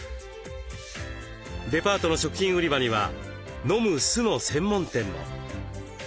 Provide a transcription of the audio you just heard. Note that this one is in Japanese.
デパートの食品売り場にはのむ酢の専門店も。